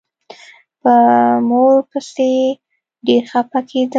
په مور پسې ډېر خپه کېدم.